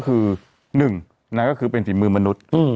ก็คือหนึ่งคือเป็นฝีมือมนุษย์